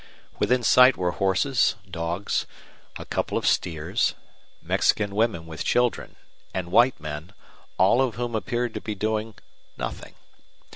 Within sight were horses, dogs, a couple of steers, Mexican women with children, and white men, all of whom appeared to be doing nothing.